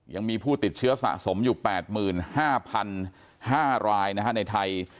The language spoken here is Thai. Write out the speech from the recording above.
ยังมีผู้ติดเชื้อสะสมอยู่๘๕๕รายในไทย